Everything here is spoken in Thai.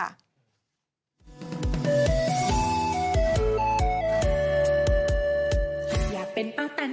ที่ไหนมีแต่คุณ